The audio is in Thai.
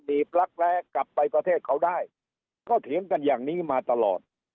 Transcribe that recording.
ีบรักแร้กลับไปประเทศเขาได้เขาเถียงกันอย่างนี้มาตลอด